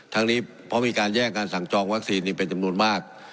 ทั้งนี้เพราะมีการแย่งการสั่งจองวัคซีนเป็นจำนวนมาก